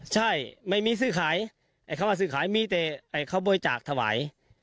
ใช่ไม่มีซื้อขายไอ้คำว่าซื้อขายมีแต่เขาบริจาคถวาย